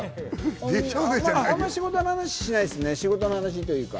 仕事の話ししないですね。